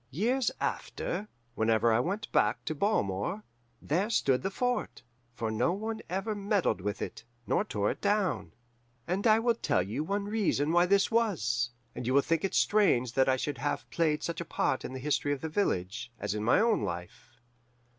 Years after, whenever I went back to Balmore, there stood the fort, for no one ever meddled with it, nor tore it down. "And I will tell you one reason why this was, and you will think it strange that it should have played such a part in the history of the village, as in my own life.